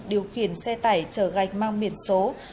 điều khiển xe tải chở gạch mang miền số